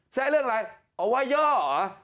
แซะเรื่องอะไรว่ายย่อหรอ